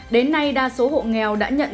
đến nay đa số hộ nghèo đã nhận được